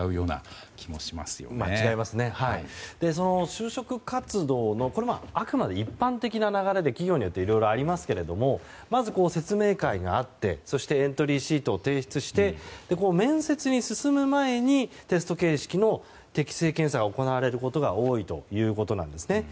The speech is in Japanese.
就職活動のあくまで一般的な流れで企業によっていろいろありますけれどもまず説明会があってそしてエントリーシートを提出して面接に進む前にテスト形式の適性検査が行われることが多いということなんですね。